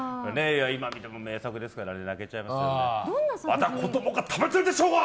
今見ても名作ですから泣けちゃいますけどまだ子供が食べてるでしょうが！